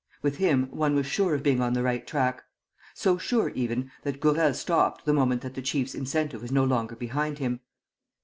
With him, one was sure of being on the right track. So sure, even, that Gourel stopped the moment that the chief's incentive was no longer behind him.